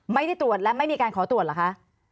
ไม่ได้ตรวจและไม่มีการขอตรวจเหรอคะ